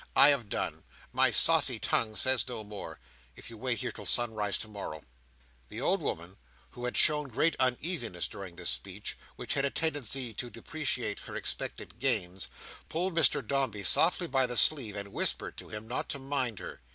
I have done. My saucy tongue says no more, if you wait here till sunrise tomorrow." The old woman, who had shown great uneasiness during this speech, which had a tendency to depreciate her expected gains, pulled Mr Dombey softly by the sleeve, and whispered to him not to mind her.